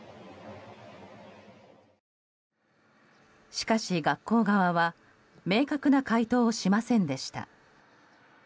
しかし学校側は明確な回答をしませんでした。